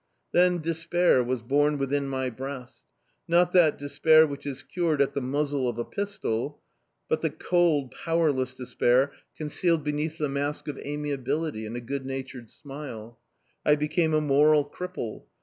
Then despair was born within my breast not that despair which is cured at the muzzle of a pistol, but the cold, powerless despair concealed beneath the mask of amiability and a good natured smile. I became a moral cripple.